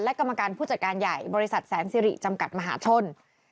และกรรมการผู้จัดการใหญ่บริษัทแสนสิริจำกัดมหาชน